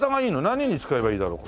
何に使えばいいだろう？